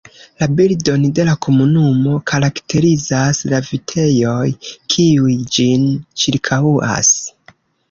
La bildon de la komunumo karakterizas la vitejoj, kiuj ĝin ĉirkaŭas.